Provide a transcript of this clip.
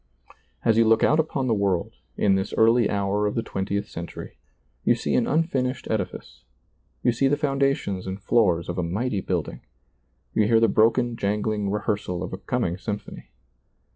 As you look out upon the world, in this early hour of the twentieth century, you see an unfin ished edifice, you see the foundations and floors of a mighty building, you hear the broken jangling rehearsal of a coming symphony.